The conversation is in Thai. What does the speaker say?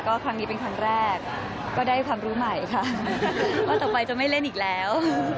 ก็ครั้งนี้เป็นครั้งแรกก็ได้ความรู้ใหม่ค่ะว่าต่อไปจะไม่เล่นอีกแล้ว